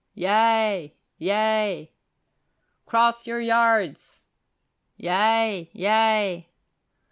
"Yea, yea!" "Cross your yards!" "Yea, yea!"